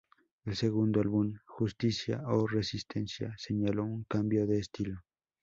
El segundo álbum, "Justicia o resistencia", señaló un cambio de estilo.